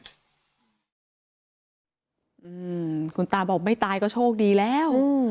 อืมคุณตาบอกไม่ตายก็โชคดีแล้ว